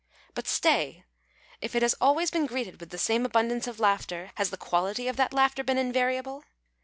... But stay ! If it has always been greeted with the same abundance of laughter, has the quality of that laughter been invariable